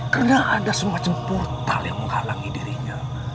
karena ada semacam portal yang menghalangi dirinya